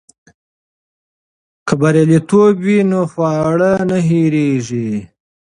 که بریالیتوب وي نو خواري نه هېریږي.